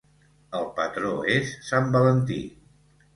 El patró és sant Valentí.